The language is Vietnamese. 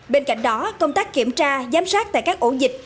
bên cạnh đó công tác kiểm tra giám sát tại các ổ dịch